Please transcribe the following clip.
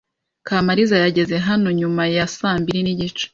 Kamariza yageze hano nyuma ya saa mbiri nigice.